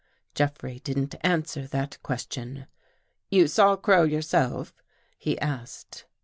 Jeffrey didn't answer that question. " You saw Crow yourself? " he asked.